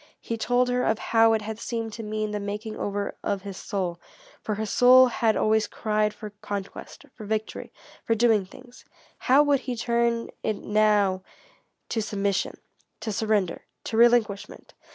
He told her of how it had seemed to mean the making over of his soul. For his soul had always cried for conquest, for victory, for doing things. How would he turn it now to submission, to surrender, to relinquishment?